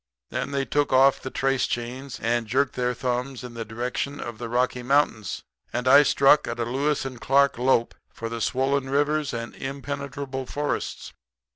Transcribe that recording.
Then they took off the trace chains and jerked their thumbs in the direction of the Rocky Mountains; and I struck a Lewis and Clark lope for the swollen rivers and impenetrable forests.